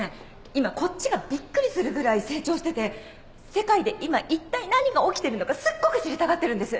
今こっちがビックリするぐらい成長してて世界で今一体何が起きてるのかすっごく知りたがってるんです。